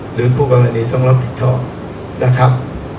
หรือผู้กรณีต้องรับผิดทรอบ